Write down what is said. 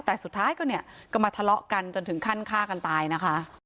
แต่สุดท้ายก็เนี่ยก็มาทะเลาะกันจนถึงขั้นฆ่ากันตายนะคะ